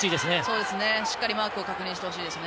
しっかりマーク確認してほしいですね。